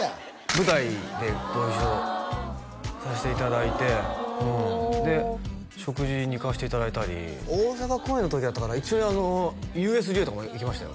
舞台でご一緒させていただいておおで食事に行かせていただいたり大阪公演の時だったかな一緒にＵＳＪとかも行きましたよ